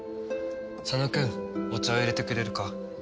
佐野くんお茶を入れてくれるか？